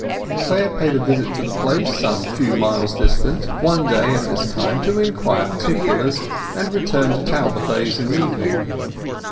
Clare paid a visit to the place, some few miles distant, one day at this time, to inquire particulars, and returned to Talbothays in the evening.